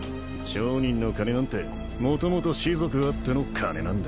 商人の金なんてもともと士族あっての金なんだ。